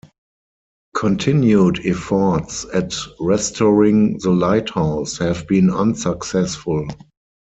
Continued efforts at restoring the lighthouse have been unsuccessful.